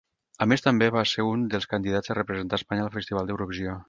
A més també va ser un dels candidats a representar Espanya al festival d'Eurovisió.